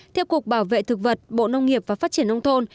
theo cục bảo vệ thực vật bộ nông nghiệp và phát triển nông thôn